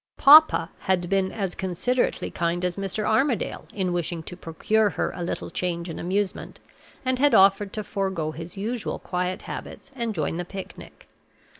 "Papa" had been as considerately kind as Mr. Armadale in wishing to procure her a little change and amusement, and had offered to forego his usual quiet habits and join the picnic.